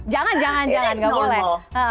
jangan jangan jangan gak boleh